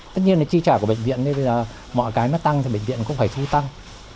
tất nhiên là chi trả của bệnh viện nên bây giờ mọi cái nó tăng thì bệnh viện cũng phải chi tăng